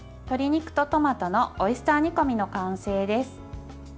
鶏肉とトマトのオイスター煮込みの完成です。